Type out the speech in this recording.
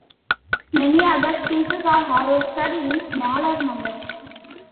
Many other species are harvested in smaller numbers.